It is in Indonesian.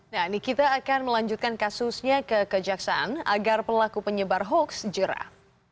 nah nikita akan melanjutkan kasusnya ke kejaksaan agar pelaku penyebar hoax jerah